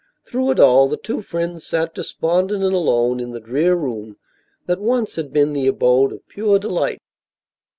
Through it all the two friends sat despondent and alone in the drear room that once had been the abode of pure delight.